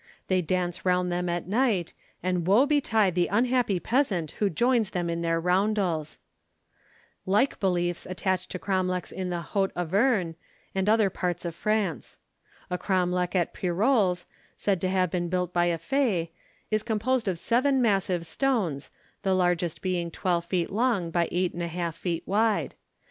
They dance around them at night, and woe betide the unhappy peasant who joins them in their roundels. Like beliefs attach to cromlechs in the Haute Auvergne, and other parts of France. A cromlech at Pirols, said to have been built by a fée, is composed of seven massive stones, the largest being twelve feet long by eight and a half feet wide.